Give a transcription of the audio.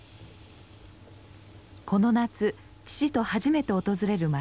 この夏父と初めて訪れる町広島。